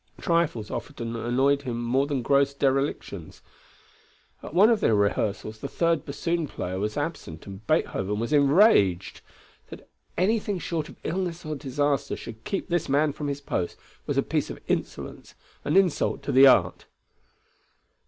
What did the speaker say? Trifles often annoyed him more than gross derelictions. At one of the rehearsals the third bassoon player was absent and Beethoven was enraged. That anything short of illness or disaster should keep this man from his post was a piece of insolence, an insult to the art.